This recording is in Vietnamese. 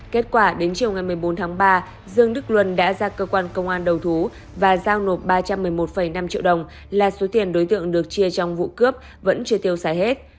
kết quả đến chiều ngày một mươi bốn tháng ba dương đức luân đã ra cơ quan công an đầu thú và giao nộp ba trăm một mươi một năm triệu đồng là số tiền đối tượng được chia trong vụ cướp vẫn chưa tiêu xài hết